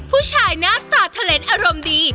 ผู้ชายหน้าตาทะเลนอารมณ์ดี